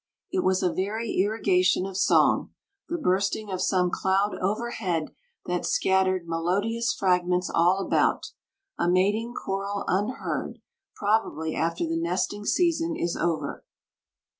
It was a very irrigation of song, the bursting of some cloud overhead that scattered melodious fragments all about, a mating choral unheard, probably, after the nesting season is over.